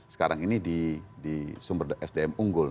sekarang ini di sumber sdm unggul